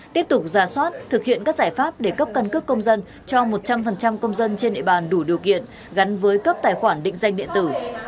tiếp tục giả soát thực hiện các giải pháp để cấp căn cước công dân cho một trăm linh công dân trên địa bàn đủ điều kiện gắn với cấp tài khoản định danh điện tử